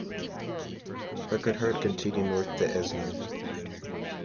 Burckhardt continued north to Esme.